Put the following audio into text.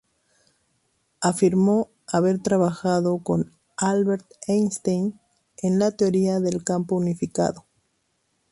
Afirmó haber trabajado con Albert Einstein en la teoría del campo unificado.